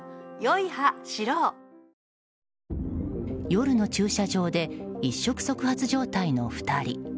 夜の駐車場で一触即発状態の２人。